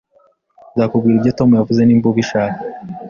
Nzakubwira ibyo Tom yavuze niba ubishaka